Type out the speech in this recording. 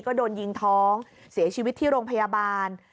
ก็โดนยิงท้องเสียชีวิตที่โรงพยาบาล